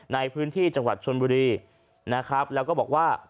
ในพื้นที่จังหวัดชนบุรีนะครับแล้วก็บอกว่า